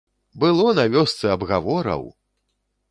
Было на вёсцы абгавораў!